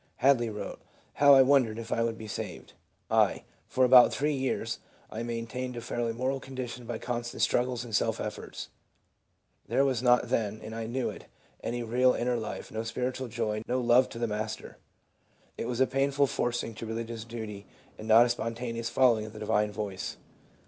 Hadley wrote, " How I wondered if I would be saved!" I.: " For about three years I maintained a fairly moral condition by constant struggles and self efforts. There was not then, and I knew it, any real inner life, no spiritual joy, no love to the Master. It was a painful forcing to religious duty, and not a spontaneous following of the Divine Voice."